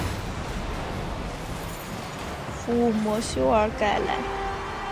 而没有加压的服务模组是从联盟号的服务模组修改而来。